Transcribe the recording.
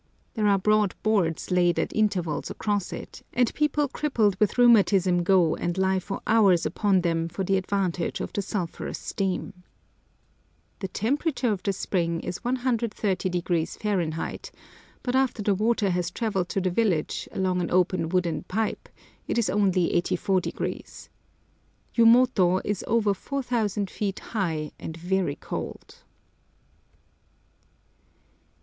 There are broad boards laid at intervals across it, and people crippled with rheumatism go and lie for hours upon them for the advantage of the sulphurous steam. The temperature of the spring is 130° F.; but after the water has travelled to the village, along an open wooden pipe, it is only 84°. Yumoto is over 4000 feet high, and very cold.